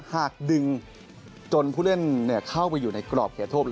หากดึงจนผู้เล่นเข้าไปอยู่ในกรอบเขตโทษ